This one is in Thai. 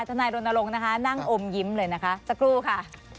นายรณรงค์นะคะนั่งอมยิ้มเลยนะคะสักครู่ค่ะ